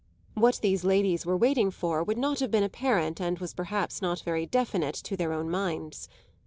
What these ladies were waiting for would not have been apparent and was perhaps not very definite to their own minds.